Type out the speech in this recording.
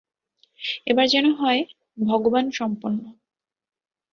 এবার যেন হয়, ভগবান সম্পন্ন!